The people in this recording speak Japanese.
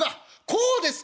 こうです